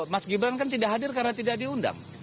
mas gibran kan tidak hadir karena tidak diundang